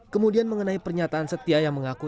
kemudian mengenai pernyataan setia yang mengaku